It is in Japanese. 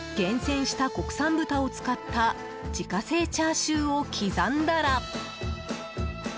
厳選した国産豚を使った自家製チャーシューを刻んだら。